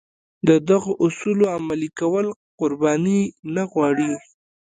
د دغو اصولو عملي کول قرباني نه غواړي.